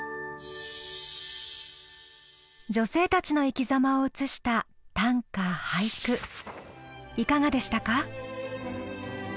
女性たちの生き様を映した短歌・俳句いかがでしたか？